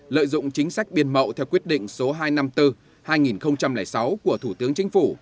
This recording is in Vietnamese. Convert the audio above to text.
lợi dụng chính sách biên mậu theo quyết định số hai trăm năm mươi bốn hai nghìn sáu của thủ tướng chính phủ